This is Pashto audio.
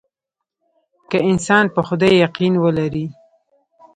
که انسان په خدای يقين ولري.